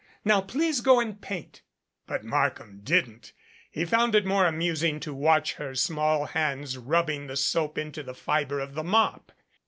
Now please go and paint." But Markham didn't. He found it more amusing to watch her small hands rubbing the soap into the fiber of the mop.